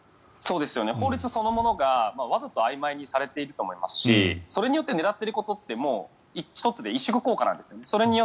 法律そのものがわざとあいまいにされていると思いますしそれによって狙っていることって１つで萎縮効果なんですよね。